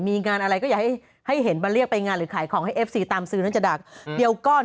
มีงานอะไรก็อย่าให้เห็นมาเรียกไปงานหรือขายของให้เอฟซีตามซื้อนั้นจะดักเดี๋ยวก้อน